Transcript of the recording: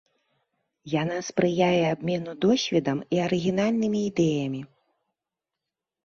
Яна спрыяе абмену досведам і арыгінальнымі ідэямі.